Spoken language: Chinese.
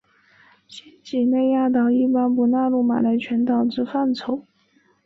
新几内亚岛一般不纳入马来群岛之范畴。